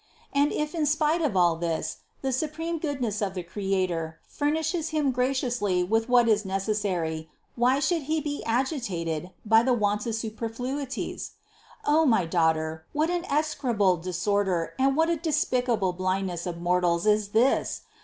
And if in spite of all this, the supreme goodness of the Creator furnishes him graciously with what is necessary, why should he be agitated by the want of superfluities? O my daughter, what an execrable disorder and what a despicable blind ness of mortals is this?